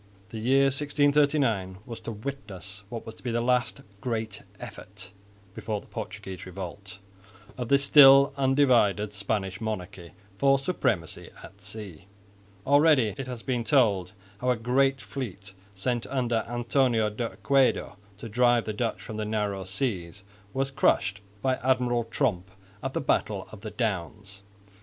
The year 1639 was to witness what was to be the last great effort (before the Portuguese revolt) of the still undivided Spanish monarchy for supremacy at sea. Already it has been told how a great fleet sent under Antonio de Oquendo to drive the Dutch from the narrow seas was crushed by Admiral Tromp at the battle of the Downs.